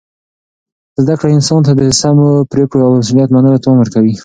زده کړه انسان ته د سمو پرېکړو او مسؤلیت منلو توان ورکوي.